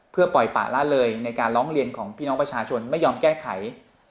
เพื่อปล่อยป่าละเลยในการร้องเรียนของพี่น้องประชาชนไม่ยอมแก้ไข